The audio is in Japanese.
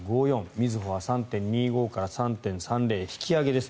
みずほは３．２５から３．３０引き上げです。